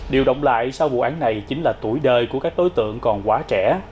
điều động lại sau vụ án này chính là tuổi đời của các đối tượng còn quá trẻ